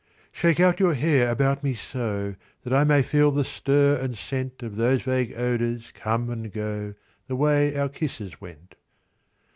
Shake out your hair about me, so, That I may feel the stir and scent Of those vague odours come and go The way our kisses went.